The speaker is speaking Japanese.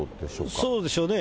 そうでしょうね。